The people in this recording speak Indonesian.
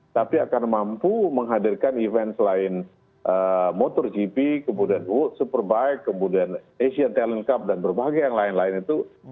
tapi akan mampu menghadirkan event selain motor gp kemudian world superbike kemudian asian talent cup dan berbagai yang lain lain itu